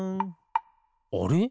あれ？